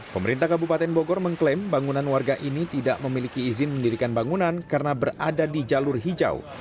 pemerintah kabupaten bogor mengklaim bangunan warga ini tidak memiliki izin mendirikan bangunan karena berada di jalur hijau